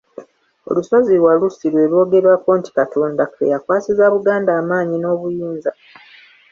Olusozi Walusi lwe lwogerwako nti Katonda kwe yakwasiza Buganda amaanyi n’obuyinza.